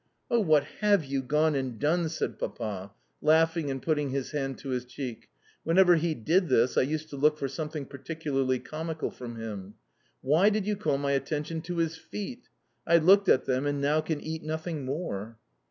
"Oh, what HAVE you gone and done?" said Papa, laughing and putting his hand to his cheek (whenever he did this I used to look for something particularly comical from him). "Why did you call my attention to his feet? I looked at them, and now can eat nothing more."